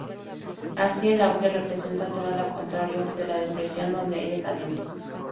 Así, el auge representa todo lo contrario de la depresión donde hay decadencia.